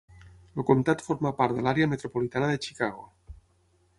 El comtat forma part de l'àrea metropolitana de Chicago.